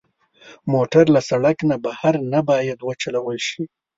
موټر له سړک نه بهر نه باید وچلول شي.